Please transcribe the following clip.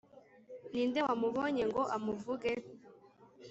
Ni nde wamubonye ngo amuvuge?